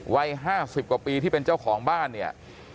วัย๕๐กว่าปีที่เป็นเจ้าของบ้านเนี่ย